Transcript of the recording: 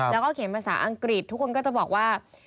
แล้วก็เขียนภาษาอังกฤษทุกคนก็จะบอกว่า